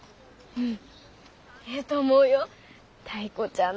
うん？